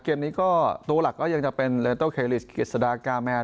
เกมนี้ก็ตัวหลักก็ยังจะเป็นเลโตเคลิสกฤษฎากาแมน